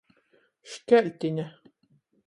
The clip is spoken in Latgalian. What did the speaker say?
Škeltine.